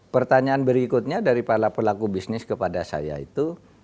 pertanyaan berikutnya dari para pelaku bisnis kepada saya itu